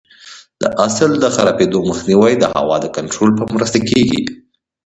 د حاصل د خرابېدو مخنیوی د هوا د کنټرول په مرسته کېږي.